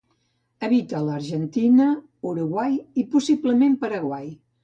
Habita a l'Argentina, Uruguai i possiblement Paraguai.